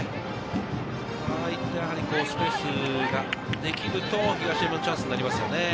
ああいったスペースができると東山のチャンスになりますよね。